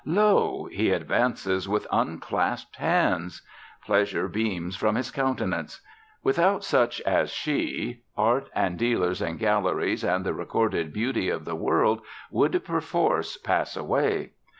Lo! He advances with unclasped hands. Pleasure beams from his countenance. Without such as she Art, and dealers, and galleries, and the recorded beauty of the world would perforce pass away.